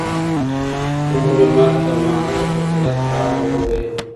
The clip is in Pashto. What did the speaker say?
مور مې ماته د لمانځه د فضیلت په اړه وویل.